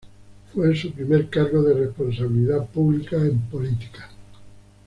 Fue su primer cargo de responsabilidad pública en política.